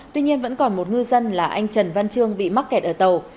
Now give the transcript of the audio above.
tuy nhiên vẫn còn một ngư dân là anh trần văn trương bị mắc kẹt ở tàu